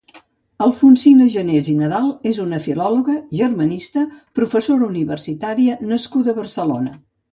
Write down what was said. Alfonsina Janés i Nadal és una filòloga, germanista, professora universitària nascuda a Barcelona.